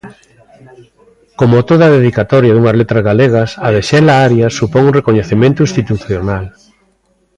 Como toda dedicatoria dunhas Letras Galegas, a de Xela Arias supón un recoñecemento institucional.